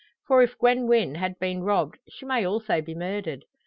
For if Gwen Wynn had been robbed she may also be murdered.